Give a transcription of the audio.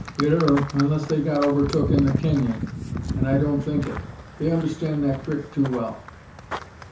"It ur, unless they got overtuk in the kenyon; an I don't think it. They understan' that crik too well."